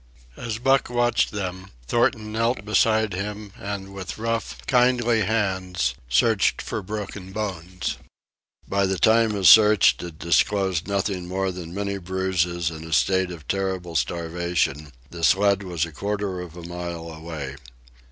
As Buck watched them, Thornton knelt beside him and with rough, kindly hands searched for broken bones. By the time his search had disclosed nothing more than many bruises and a state of terrible starvation, the sled was a quarter of a mile away.